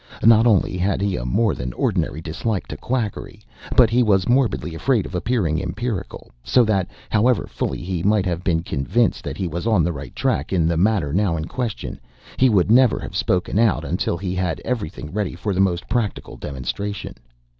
Not only had he a more than ordinary dislike to quackery, but he was morbidly afraid of appearing empirical; so that, however fully he might have been convinced that he was on the right track in the matter now in question, he would never have spoken out, until he had every thing ready for the most practical demonstration.